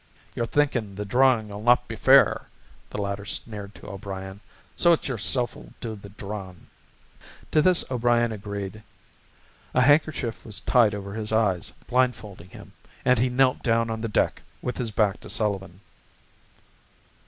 "You're thinkin' the drawin'll not be fair," the latter sneered to O'Brien. "So it's yerself'll do the drawin'." To this O'Brien agreed. A handkerchief was tied over his eyes, blindfolding him, and he knelt down on the deck with his back to Sullivan.